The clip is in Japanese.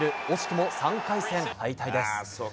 惜しくも３回戦敗退です。